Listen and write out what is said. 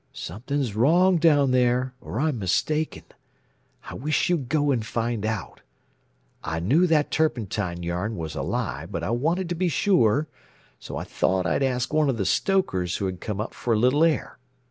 Something's wrong down there, or I'm mistaken. I wish you'd go and find out. I knew that turpentine yarn was a lie, but I wanted to be sure, so I thought I'd ask one of the stokers who had come up for a little air.